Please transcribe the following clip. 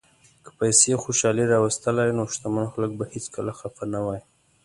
که پیسې خوشالي راوستلی، نو شتمن خلک به هیڅکله خپه نه وای.